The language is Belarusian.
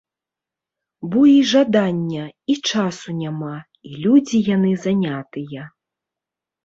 Бо і жадання, і часу няма, і людзі яны занятыя.